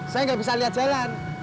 saya gak bisa liat jalan